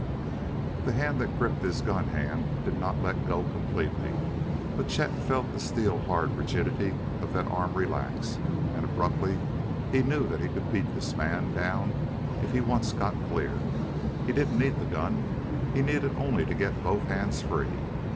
The hand that gripped his gun hand did not let go completely, but Chet felt the steel hard rigidity of that arm relax, and abruptly he knew that he could beat this man down if he once got clear. He didn't need the gun; he needed only to get both hands free.